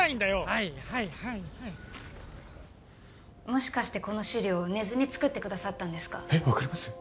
はいはいはいはいもしかしてこの資料寝ずに作ってくださったんですかえっ分かります？